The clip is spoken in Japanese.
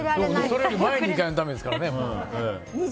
それより前に行かないとだめですからね。